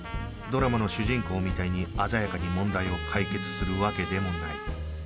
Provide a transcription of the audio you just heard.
ドラマの主人公みたいに鮮やかに問題を解決するわけでもない